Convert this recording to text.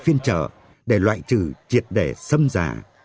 phiên trở để loại trừ triệt đẻ sâm giả